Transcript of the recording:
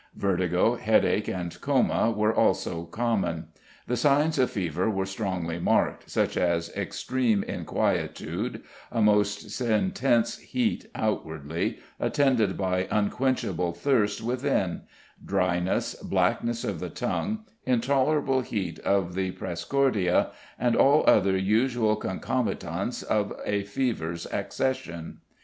Vertigo, headache, and coma were also common. The signs of fever were strongly marked, such as "extreme inquietude, a most intense heat outwardly, attended by unquenchable thirst within, dryness, blackness of the tongue, intolerable heat of the præcordia, and all other usual concomitants of a fever's accession."